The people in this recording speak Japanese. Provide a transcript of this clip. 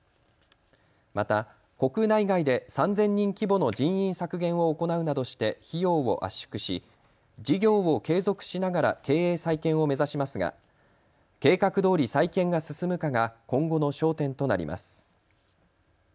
また国内外で３０００人規模の人員削減を行うなどして費用を圧縮し事業を継続しながら経営再建を目指しますが計画どおり再建が進むかが今後の焦点となります。